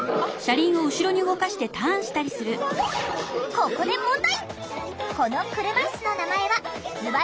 ここで問題！